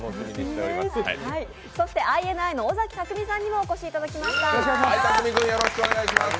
そして、ＩＮＩの尾崎匠海さんにもお越しいただきました。